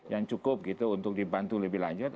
yang cukup gitu untuk dibantu lebih lanjut